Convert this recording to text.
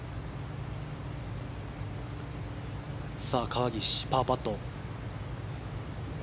川岸、パーパット。